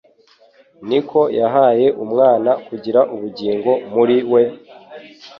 niko yahaye Umwana kugira ubugingo muri we,